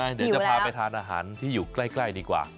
เดี๋ยวจะพาไปทานอาหารที่อยู่ใกล้ดีกว่า